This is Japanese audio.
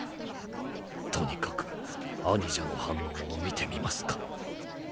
とにかく兄者の反応を見てみますか。